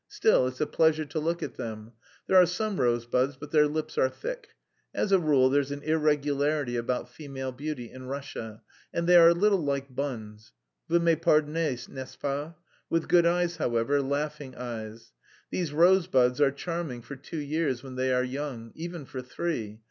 Still, it's a pleasure to look at them. There are some rosebuds, but their lips are thick. As a rule there's an irregularity about female beauty in Russia, and... they are a little like buns.... vous me pardonnez, n'est ce pas?... with good eyes, however, laughing eyes.... These rose buds are charming for two years when they are young... even for three...